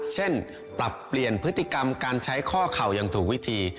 เช่นปรับเปลี่ยนพฤติกรรมการใช้ข้อเข่าอย่างถูกวิธี